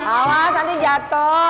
awas nanti jatuh